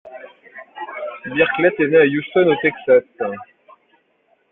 Birklett est né le à Houston au Texas.